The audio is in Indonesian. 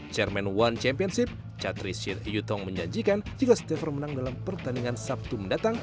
chairman one championship chatrisir yutong menjanjikan jika stepher menang dalam pertandingan sabtu mendatang